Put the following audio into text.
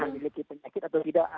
miliki penyakit atau tidak